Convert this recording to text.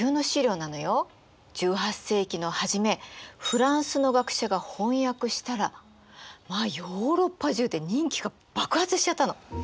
フランスの学者が翻訳したらまあヨーロッパ中で人気が爆発しちゃったの。